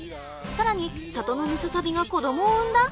さらに里のムササビが子供を産んだ？